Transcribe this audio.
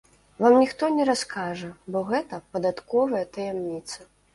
Вам ніхто не раскажа, бо гэта падатковая таямніца.